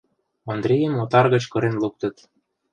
Ондрийым отар гыч кырен луктыт.